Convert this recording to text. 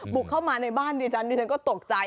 บุกเข้ามาในบ้านดิฉันดิฉันก็ตกใจ